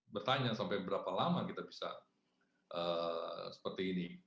bertanya sampai berapa lama kita bisa seperti ini